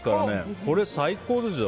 これ、最高ですよ。